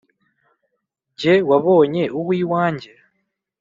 jye wabonye uw’iwanjye